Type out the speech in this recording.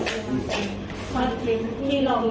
แต่คุณผู้ชมค่ะตำรวจก็ไม่ได้จบแค่ผู้หญิงสองคนนี้